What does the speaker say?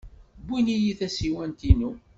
Wwin-iyi tasiwant-inu.